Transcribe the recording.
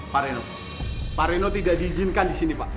pak reno pak reno tidak diizinkan di sini pak